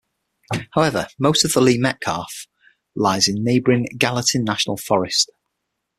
However, most of the Lee Metcalf lies in neighboring Gallatin National Forest.